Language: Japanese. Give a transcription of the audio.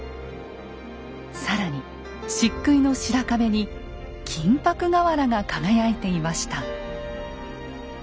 更に漆喰の白壁に金箔瓦が輝いていました。